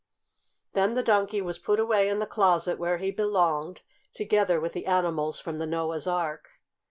Then the Donkey was put away in the closet where he belonged, together with the animals from the Noah's Ark.